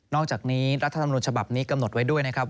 อกจากนี้รัฐธรรมนุนฉบับนี้กำหนดไว้ด้วยนะครับ